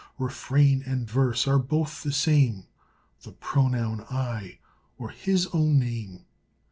Refrain and verse are both the same The pronoun I or his own name.